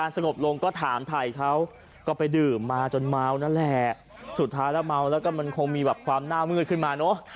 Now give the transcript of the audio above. สุดท้ายแล้วเมาแล้วก็มันคงมีแบบความหน้ามืดขึ้นมาเนอะ